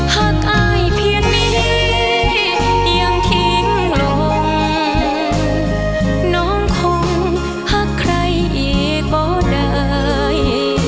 หากอายเพียงนี้ยังทิ้งลงน้องคงหักใครอีกบ่ได้